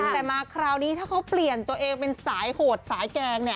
แต่มาคราวนี้ถ้าเขาเปลี่ยนตัวเองเป็นสายโหดสายแกง